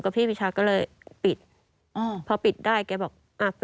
เขาจำเป็นอีกประตูอีกมุม